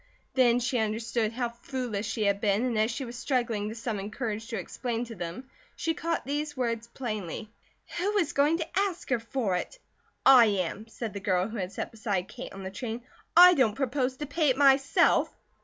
Then she understood how foolish she had been and as she was struggling to summon courage to explain to them she caught these words plainly: "Who is going to ask her for it?" "I am," said the girl who had sat beside Kate on the train. "I don't propose to pay it myself!"